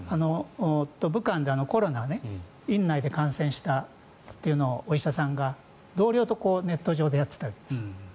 武漢でコロナ院内で感染したというのをお医者さんが同僚とネット上でやっていたんです。